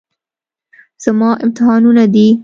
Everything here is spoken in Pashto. زما امتحانونه دي.